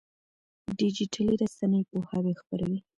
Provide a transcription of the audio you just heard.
ډيجيټلي رسنۍ پوهاوی خپروي.